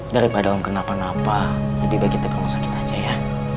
daripada kenapa napa lebih baik kita ke rumah sakit aja ya